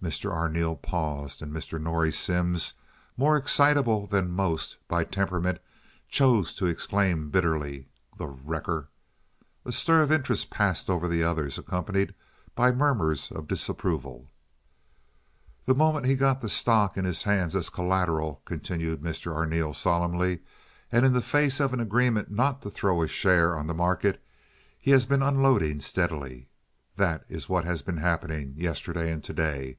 Mr. Arneel paused, and Mr. Norrie Simms, more excitable than most by temperament, chose to exclaim, bitterly: "The wrecker!" A stir of interest passed over the others accompanied by murmurs of disapproval. "The moment he got the stock in his hands as collateral," continued Mr. Arneel, solemnly, "and in the face of an agreement not to throw a share on the market, he has been unloading steadily. That is what has been happening yesterday and to day.